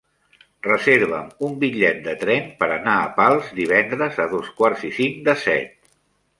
Reserva'm un bitllet de tren per anar a Pals divendres a dos quarts i cinc de set.